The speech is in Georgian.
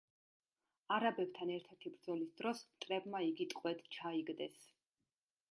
არაბებთან ერთ-ერთი ბრძოლის დროს მტრებმა იგი ტყვედ ჩაიგდეს.